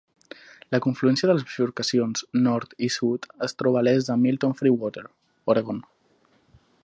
La confluència de les bifurcacions nord i sud es troba a l'est de Milton-Freewater, Oregon.